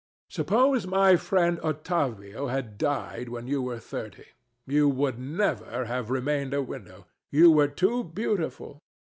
Suppose my friend Ottavio had died when you were thirty, you would never have remained a widow: you were too beautiful.